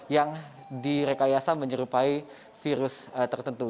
yang direkayasa menyerupai virus tertentu